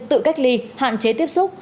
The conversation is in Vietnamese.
tự cách ly hạn chế tiếp xúc